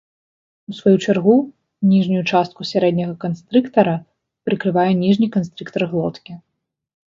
У сваю чаргу, ніжнюю частку сярэдняга канстрыктара прыкрывае ніжні канстрыктар глоткі.